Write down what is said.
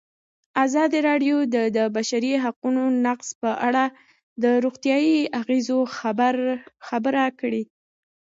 ازادي راډیو د د بشري حقونو نقض په اړه د روغتیایي اغېزو خبره کړې.